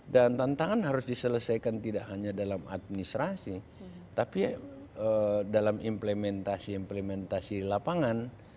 dan tantangan harus diselesaikan tidak hanya dalam administrasi tapi dalam implementasi implementasi lapangan